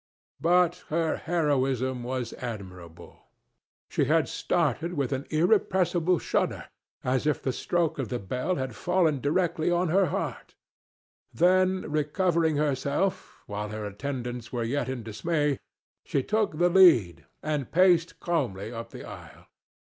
But her heroism was admirable. She had started with an irrepressible shudder, as if the stroke of the bell had fallen directly on her heart; then, recovering herself, while her attendants were yet in dismay, she took the lead and paced calmly up the aisle.